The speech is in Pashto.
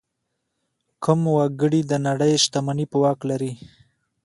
کم وګړي د نړۍ شتمني په واک لري.